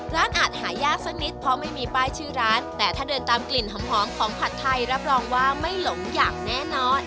อาจหายากสักนิดเพราะไม่มีป้ายชื่อร้านแต่ถ้าเดินตามกลิ่นหอมของผัดไทยรับรองว่าไม่หลงอย่างแน่นอน